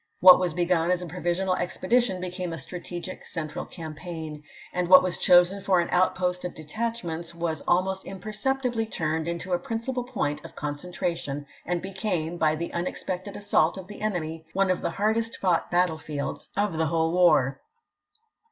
What was begun as a provisional expedition became a stra tegic central campaign ; and what was chosen for an outpost of detachments was almost impercep tibly turned into a principal point of concentra tion, and became, by the unexpected assault of the enemy, one of the hardest fought battlefields of the whole war.